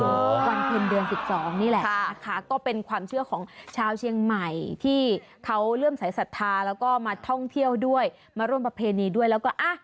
วันทุนเดือน๑๒นี่แหละนะคะก็เป็นความเชื่อของชาวเชียงใหม่ที่เขาเริ่มสายศรัทธาแล้วก็มาท่องเที่ยวด้วยมาร่วมประเพณีด้วยแล้วก็อ่ะ